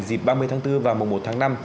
dịp ba mươi tháng bốn và một tháng năm